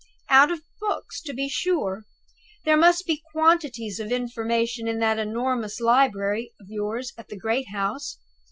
"Out of books, to be sure! There must be quantities of information in that enormous library of yours at the great house.